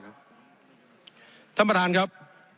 ท่านประธานครับ